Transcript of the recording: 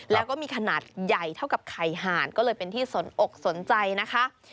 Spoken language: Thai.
แล้วก็มีขนาดใหญ่เท่ากับไข่หาดก็เลยเป็นที่สนอกสนใจนะคะ